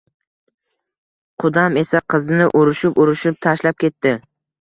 Qudam esa qizini urishib-urishib tashlab ketdi